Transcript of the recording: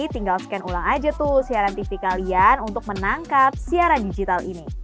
tinggal scan ulang aja tuh siaran tv kalian untuk menangkap siaran digital ini